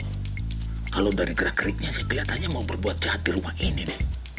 kalau dari gerak geriknya sih kelihatannya mau berbuat jahat di rumah ini deh